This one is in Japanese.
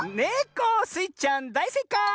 スイちゃんだいせいかい！